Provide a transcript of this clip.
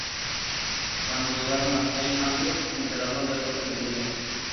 Cuando llegaron a Saint Andrews, se enteraron de lo sucedido.